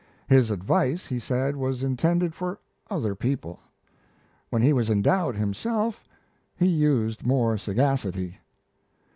His advice, he said, was intended for other people; when he was in doubt himself, he used more sagacity!